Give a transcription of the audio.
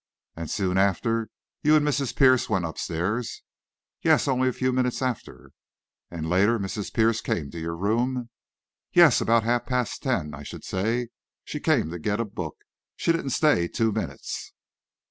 "And soon after, you and Mrs. Pierce went upstairs?" "Yes; only a few minutes after." "And, later, Mrs. Pierce came to your room?" "Yes; about half past ten, I should say; she came to get a book. She didn't stay two minutes."